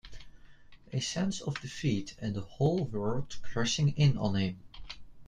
A sense of defeat and the whole world crashing in on him...